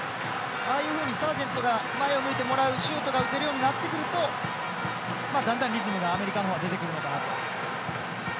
ああいうふうにサージェントが前を向いてもらうシュートが打てるようになるとだんだんリズムがアメリカの方は出てくるのかなと。